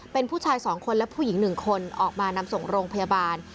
เป็นผู้ชาย๒คนและผู้หญิง๑คนออกมานำส่งโรงพยาบาล